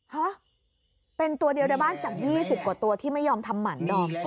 ฮะเป็นตัวเดียวในบ้านจาก๒๐กว่าตัวที่ไม่ยอมทำหมันดอม